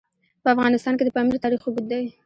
په افغانستان کې د پامیر تاریخ اوږد دی.